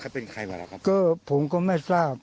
เป็นใครบะเราก็ผมก็ไม่ทราบ